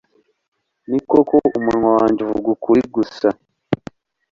ni koko, umunwa wanjye uvuga ukuri gusa